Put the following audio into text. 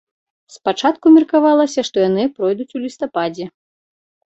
Спачатку меркавалася, што яны пройдуць у лістападзе.